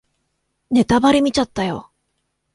ネタバレ見ちゃったよ